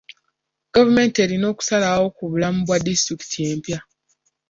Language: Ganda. Gavumenti erina okusalawo ku bulamu bwa disitulikiti empya.